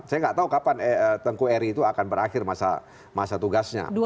saya nggak tahu kapan tengku eri itu akan berakhir masa tugasnya